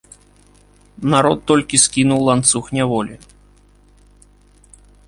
Народ толькі скінуў ланцуг няволі.